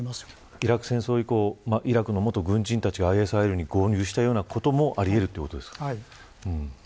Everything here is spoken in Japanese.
イラク戦争以降イラクの元軍人たちがＩＳに合流したようなこともあり得るというわけですね。